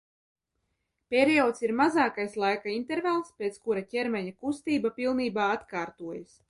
Periods ir mazākais laika intervāls, pēc kura ķermeņa kustība pilnībā atkārtojas.